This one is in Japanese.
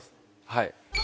はい。